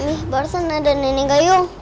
ini barusan ada nenek gayung